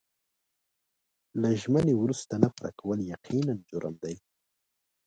له ژمنې وروسته نه پوره کول یقیناً جرم دی.